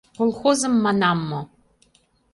— Колхозым манам мо!